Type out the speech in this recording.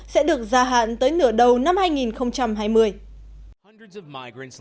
sẽ được gia hạn tới nửa đầu năm hai nghìn hai mươi